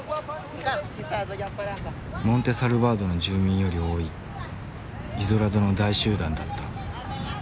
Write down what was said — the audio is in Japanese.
モンテ・サルバードの住民より多いイゾラドの大集団だった。